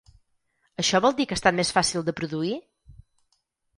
Això vol dir que ha estat més fàcil de produir?